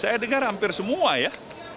saya dengar hampir semua ya